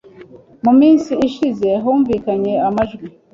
Mu minsi ishize humvikanye amajwi